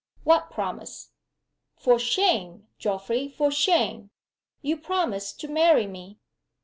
"What promise?"' "For shame, Geoffrey! for shame! Your promise to marry me."